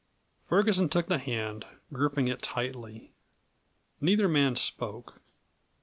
Ferguson took the hand, gripping it tightly. Neither man spoke.